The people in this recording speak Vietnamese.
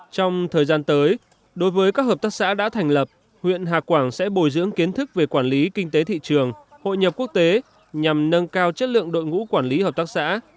trong thời gian tới đối với các hợp tác xã đã thành lập huyện hà quảng sẽ bồi dưỡng kiến thức về quản lý kinh tế thị trường hội nhập quốc tế nhằm nâng cao chất lượng đội ngũ quản lý hợp tác xã